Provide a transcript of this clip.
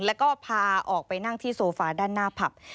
แล้วก็พาออกไปนั่งที่โซฟาด้านหน้าผับ